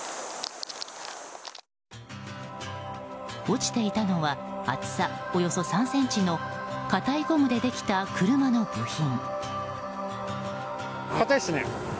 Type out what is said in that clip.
落ちていたのは厚さおよそ３ｃｍの硬いゴムでできた車の部品。